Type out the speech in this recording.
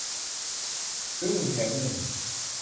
ซื้อหนึ่งแถมหนึ่ง